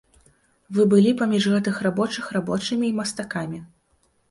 Вы былі паміж гэтых рабочых рабочымі і мастакамі.